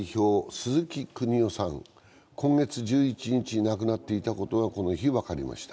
鈴木邦男さん、今月１１日、亡くなっていたことがこの日、分かりました。